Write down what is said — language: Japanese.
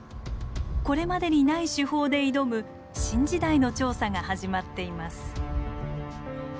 これまでにない手法で挑む新時代の調査が始まっています。